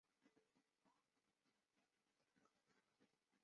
标题与登场人物的名字大多跟戏剧有关也是有意为之。